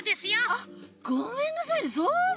あっごめんなさいねそうでした。